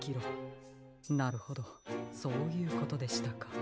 なるほどそういうことでしたか。